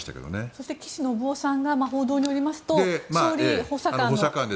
そして岸信夫さんが報道によりますと総理補佐官。